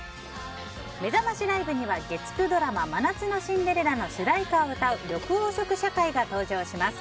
めざましライブには月９ドラマ「真夏のシンデレラ」の主題歌を歌う緑黄色社会が登場します。